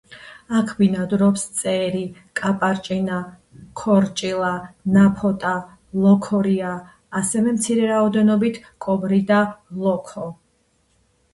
აქ ბინადრობს წერი, კაპარჭინა, ქორჭილა, ნაფოტა, ლოქორია, ასევე მცირე რაოდენობით კობრი და ლოქო.